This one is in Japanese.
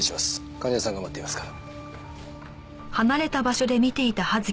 患者さんが待っていますから。